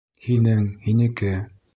Һинең, һинеке